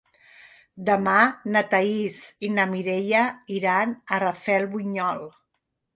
Demà na Thaís i na Mireia iran a Rafelbunyol.